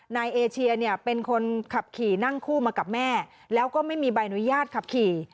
นายเอเชียเนี่ยเป็นคนขับขี่นั่งคู่มากับแม่แล้วก็ไม่มีใบอนุญาตขับขี่